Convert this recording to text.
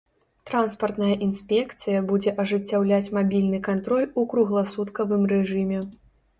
Транспартная інспекцыя будзе ажыццяўляць мабільны кантроль у кругласуткавым рэжыме.